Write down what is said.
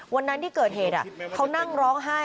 วันนั้นที่เกิดเหตุเขานั่งร้องไห้